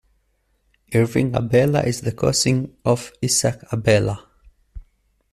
Irving Abella is the cousin of Isaac Abella.